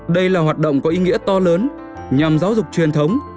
đây là hoạt động có ý nghĩa to lớn nhằm giáo dục truyền thống